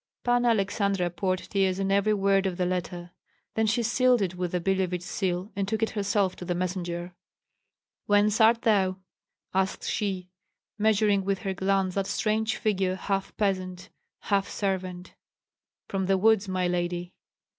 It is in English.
Panna Aleksandra poured tears on every word of the letter; then she sealed it with the Billevich seal and took it herself to the messenger. "Whence art thou?" asked she, measuring with her glance that strange figure, half peasant, half servant. "From the woods, my lady."